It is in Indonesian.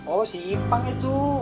oh si ipang itu